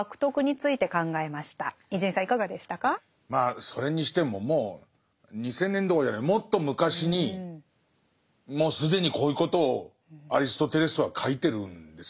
まあそれにしてももう２，０００年どころじゃないもっと昔にもう既にこういうことをアリストテレスは書いてるんですね。